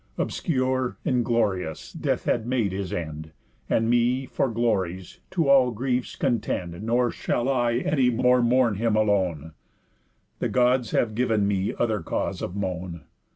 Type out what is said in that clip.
Obscure, inglorious, death hath made his end, And me, for glories, to all griefs contend. Nor shall I any more mourn him alone, The Gods have giv'n me other cause of moan.